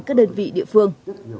các đơn vị địa phương